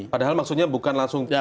padahal maksudnya bukan langsung